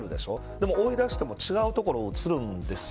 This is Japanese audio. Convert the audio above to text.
でも追い出しても違う所に移るんです。